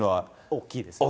大きい。